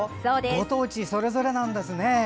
ご当地それぞれなんですね。